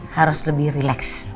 harus lebih relax